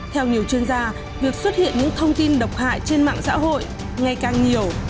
theo nhiều chuyên gia việc xuất hiện những thông tin độc hại trên mạng xã hội ngày càng nhiều